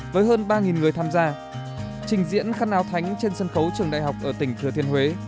với hơn ba người tham gia trình diễn khăn áo thánh trên sân khấu trường đại học ở tỉnh thừa thiên huế